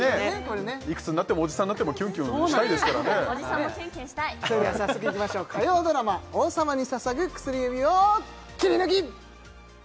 いくつになってもオジサンになってもキュンキュンしたいですからねオジサンもキュンキュンしたいそれでは早速いきましょう火曜ドラマ「王様に捧ぐ薬指」をキリヌキ！